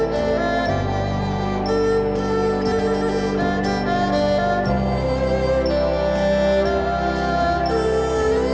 สวัสดีครับสวัสดีครับ